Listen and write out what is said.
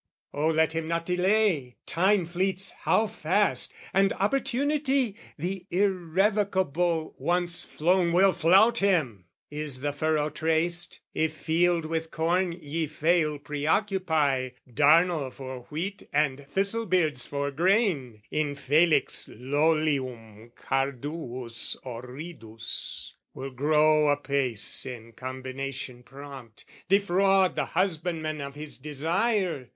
O let him not delay! Time fleets how fast, And opportunity, the irrevocable, Once flown will flout him! Is the furrow traced? If field with corn ye fail preoccupy, Darnel for wheat and thistle beards for grain, Infelix lolium, carduus horridus, Will grow apace in combination prompt, Defraud the husbandman of his desire.